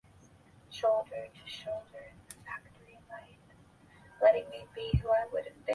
若开罗兴亚救世军是一支活跃于缅甸若开邦北部丛林的罗兴亚人武装集团。